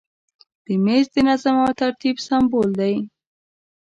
مېز د نظم او ترتیب سمبول دی.